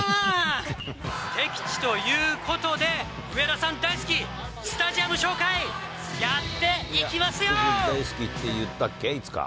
敵地ということで、上田さん大好き、スタジアム紹介、やっていきますよ！